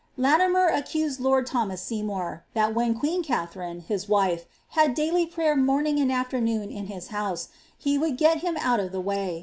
'" Letimer accused lord Thomas Seymour, that when queen yT'^^™^ his wife, had dailv prayer morning and afternoon in his house, he' get him oat of the way.